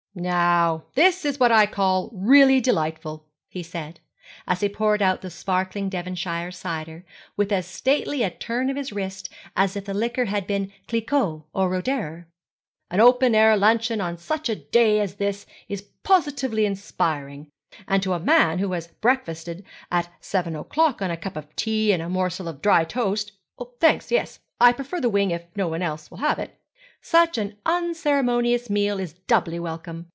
'Now this is what I call really delightful,' he said, as he poured out the sparkling Devonshire cider with as stately a turn of his wrist as if the liquor had been Cliquot or Roederer. 'An open air luncheon on such a day as this is positively inspiring, and to a man who has breakfasted at seven o'clock on a cup of tea and a morsel of dry toast thanks, yes, I prefer the wing if no one else will have it such an unceremonious meal is doubly welcome.